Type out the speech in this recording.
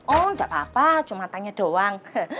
oh enggak apa apa cuma tanya doang